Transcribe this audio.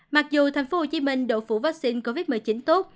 mặc dù thành phố hồ chí minh đổ phủ vaccine covid một mươi chín tốt